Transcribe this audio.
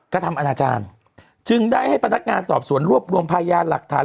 กระทำอนาจารย์จึงได้ให้พนักงานสอบสวนรวบรวมพยานหลักฐาน